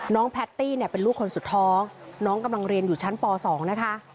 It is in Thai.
แพตตี้เนี่ยเป็นลูกคนสุดท้องน้องกำลังเรียนอยู่ชั้นป๒นะคะ